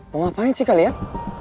mau ngapain sih kalian